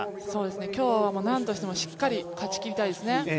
今日はなんとしてもしっかり勝ちきりたいですね。